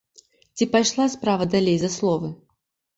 Ці пайшла справа далей за словы?